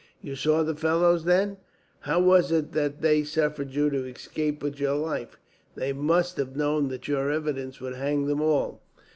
"You saw the fellows, then? How was it that they suffered you to escape with your life? They must have known that your evidence would hang them all."